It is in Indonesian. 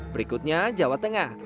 berikutnya jawa tengah